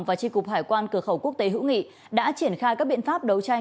và tri cục hải quan cửa khẩu quốc tế hữu nghị đã triển khai các biện pháp đấu tranh